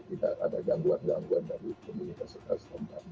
tidak ada gangguan gangguan dari komunitas